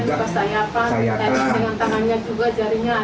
dengan tangannya juga jarinya ada dua itu putus